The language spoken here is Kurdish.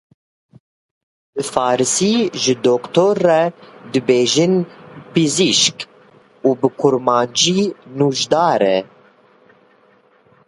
Bi Farsî ji doktor re, dibêjin Pizîşik û bi kurmancî Nûjdar e.